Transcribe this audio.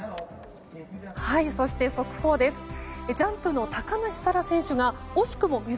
そして、速報です。